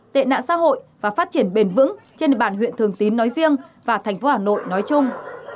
tệ nạn xã hội và phát triển bền vững trên địa bàn huyện thường tín nói riêng và thành phố hà nội nói chung